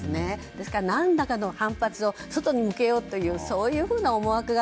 ですから、何らかの反発を外に向けようという思惑が